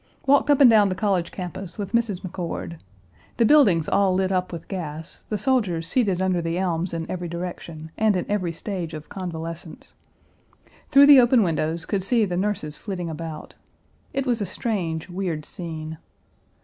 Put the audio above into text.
Walked up and down the college campus with Mrs. McCord. The buildings all lit up with gas, the soldiers seated under the elms in every direction, and in every stage of convalescence. Through the open windows, could see the nurses flitting about. It was a strange, weird scene.